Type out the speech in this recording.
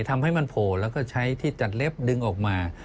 ทำให้มันโผล่แล้วก็ใช้ที่จัดเล็บดึงออกมา